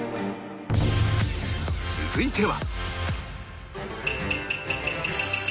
続いては